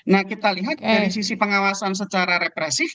nah kita lihat dari sisi pengawasan secara represif